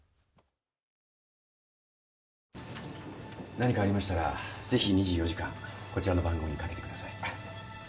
何かありましたらぜひ２４時間こちらの番号にかけてください。